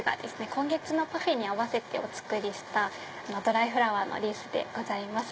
今月のパフェに合わせて作ったドライフラワーのリースでございます。